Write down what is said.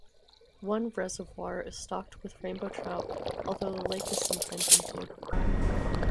One reservoir is stocked with rainbow trout, although the lake is sometimes empty.